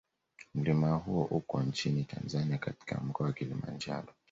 Mlima huo uko nchini Tanzania katika Mkoa wa Kilimanjaro